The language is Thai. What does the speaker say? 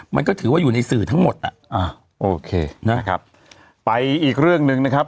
มันก็ถือว่าอยู่ในสื่อทั้งหมดอ่ะอ่าโอเคนะครับไปอีกเรื่องหนึ่งนะครับ